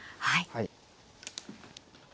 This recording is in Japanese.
はい。